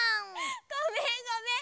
ごめんごめん。